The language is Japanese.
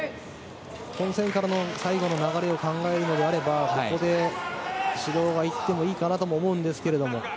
本戦からの最後の流れを考えるのであればここで指導がいってもいいかなと思いますが。